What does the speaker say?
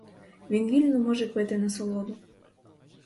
Він вільно може пити насолоду.